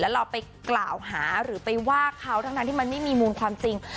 เราไปกล่าวหาหรือไปว่าเขาทั้งที่มันไม่มีมูลความจริง